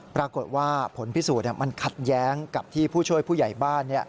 ปรากฏว่าผลพิสูจน์มันขัดแย้งกับที่ผู้ช่วยผู้ใหญ่บ้าน